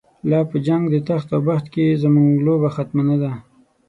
لا په جنگ د تخت او بخت کی، زمونږ لوبه ختمه نده